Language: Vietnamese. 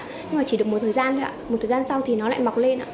nhưng mà chỉ được một thời gian thôi ạ một thời gian sau thì nó lại mọc lên ạ